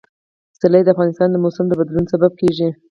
پسرلی د افغانستان د موسم د بدلون سبب کېږي.